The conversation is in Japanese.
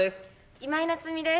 今井菜津美です。